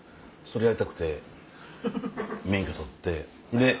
それやりたくて免許取って。